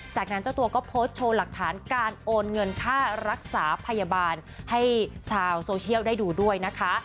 จากนั้นเจ้าตัวก็โพสต์โชว์หลักฐานการโอนเงินค่ารักษาพยาบาลให้ชาวโซเชียลได้ดูด้วยนะคะ